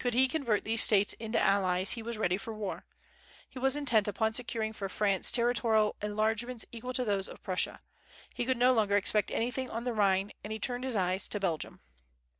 Could he convert these States into allies, he was ready for war. He was intent upon securing for France territorial enlargements equal to those of Prussia. He could no longer expect any thing on the Rhine, and he turned his eyes to Belgium.